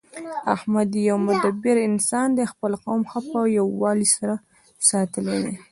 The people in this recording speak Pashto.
احمد یو مدبر انسان دی. خپل قوم ښه په یووالي سره ساتلی دی